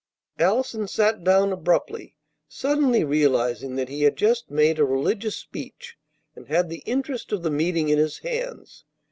Allison sat down abruptly, suddenly realizing that he had just made a religious speech and had the interest of the meeting in his hands.